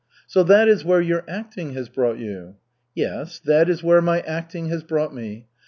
"So that is where your acting has brought you?" "Yes, that is where my acting has brought me.